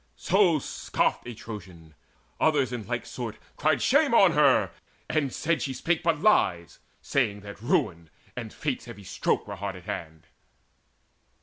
So scoffed a Trojan: others in like sort Cried shame on her, and said she spake but lies, Saying that ruin and Fate's heavy stroke Were hard at hand.